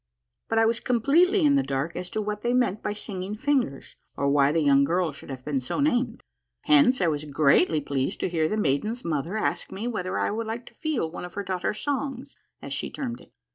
But I was completely in the dark as to what they meant by Singing Fingers, or why the young girl should have been so named; hence was I greatly pleased to hear the maiden's mother ask me whether I would like to feel one of her daugh ter's songs, as she termed it.